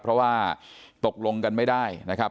เพราะว่าตกลงกันไม่ได้นะครับ